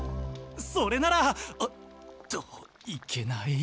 それなら！っといけない。